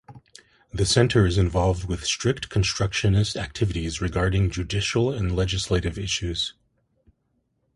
The Center is involved with "strict constructionist" activities regarding judicial and legislative issues.